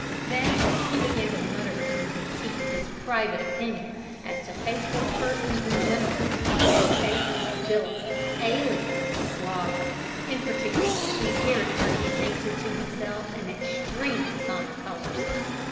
Then he began to mutter between his teeth his private opinion as to faithless persons in general, and faithless Villum, alias the Slogger, in particular, whose character he painted to himself in extremely sombre colours.